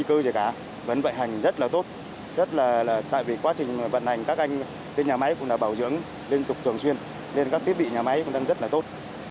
các anh đến nhà máy cũng đã bảo dưỡng liên tục thường xuyên nên các thiết bị nhà máy cũng đang rất là tốt